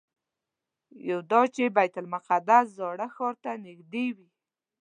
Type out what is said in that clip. یو دا چې بیت المقدس زاړه ښار ته نږدې وي.